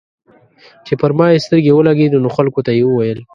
چې پر ما يې سترګې ولګېدې نو خلکو ته یې وويل.